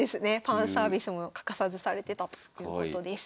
ファンサービスも欠かさずされてたということです。